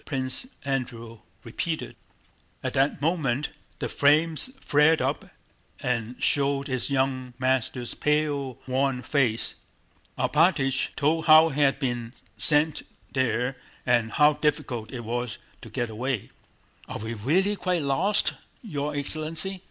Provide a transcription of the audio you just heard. Prince Andrew repeated. At that moment the flames flared up and showed his young master's pale worn face. Alpátych told how he had been sent there and how difficult it was to get away. "Are we really quite lost, your excellency?"